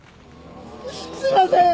すいません！